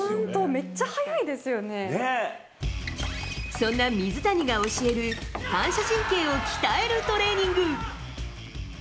そんな水谷が教える反射神経を鍛えるトレーニング。